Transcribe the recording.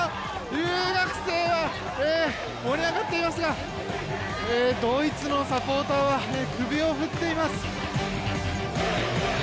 留学生が盛り上がっていますがドイツのサポーターは首を振っています。